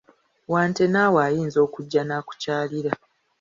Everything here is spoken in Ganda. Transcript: Wante naawe ayinza okujja n'akukyalira!